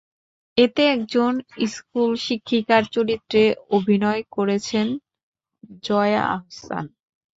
এতে একজন স্কুলশিক্ষিকার চরিত্রে অভিনয় করেছেন জয়া আহসান।